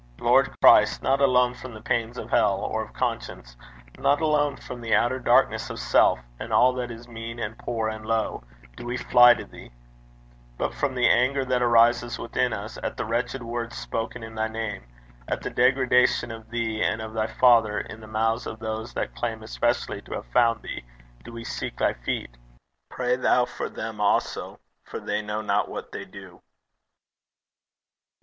Lord Christ! not alone from the pains of hell, or of conscience not alone from the outer darkness of self and all that is mean and poor and low, do we fly to thee; but from the anger that arises within us at the wretched words spoken in thy name, at the degradation of thee and of thy Father in the mouths of those that claim especially to have found thee, do we seek thy feet. Pray thou for them also, for they know not what they do.